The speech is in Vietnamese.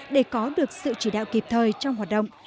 để có được sự chỉ đạo kịp thời trong hoạt động